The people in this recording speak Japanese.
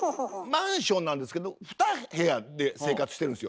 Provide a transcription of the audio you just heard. マンションなんですけど２部屋で生活してるんですよ。